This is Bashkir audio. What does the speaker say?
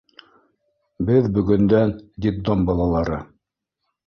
Беҙ бөгөндән — детдом балалары.